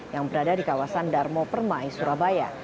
yang berada di kawasan darmo permai surabaya